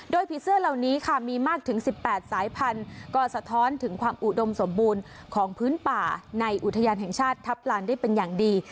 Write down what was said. โดยผีเสื้อเหล่านี้ค่ะมีมากถึง๑๘สายพันธุ์ก็สะท้อนถึงความอุดมสมบูรณ์ของพื้นป่าในอุทยานแห่งชาติทัพลานได้เป็นอย่างดี